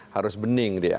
harus bening dia